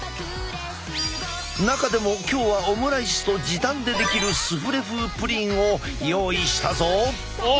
中でも今日はオムライスと時短でできるスフレ風プリンを用意したぞ。